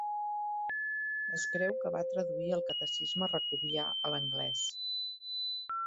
Es creu que va traduir el Catecisme racovià a l'anglès.